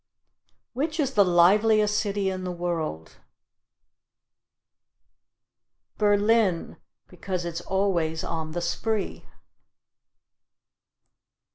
Which is the liveliest city in the world? Berlin; because it's always on the Spree.